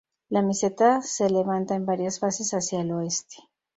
La meseta se levanta en varias fases hacia el oeste.